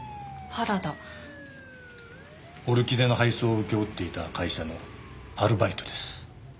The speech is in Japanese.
オルキデの配送を請け負っていた会社のアルバイトです。